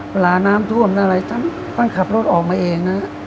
เวลาน้ำท่วมอะไรท่านขับรถออกมาเองนะ